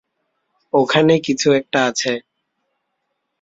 ওখানে কিছু একটা আছে।